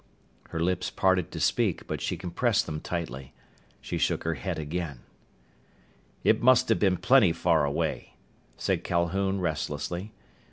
Her lips parted to speak, but she compressed them tightly. She shook her head again. "It must have been plenty far away," said Calhoun restlessly.